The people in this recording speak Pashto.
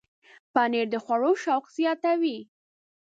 پنېر د خوړو شوق زیاتوي.